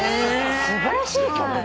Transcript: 素晴らしい曲だよね。